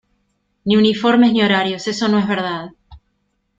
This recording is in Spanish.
ni uniformes ni horarios... eso no es verdad .